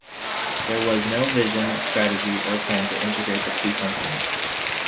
There was no vision, strategy, or plan to integrate the two companies.